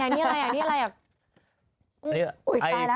นี่อะไรอ่ะ